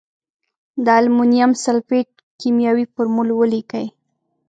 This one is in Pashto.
د المونیم سلفیټ کیمیاوي فورمول ولیکئ.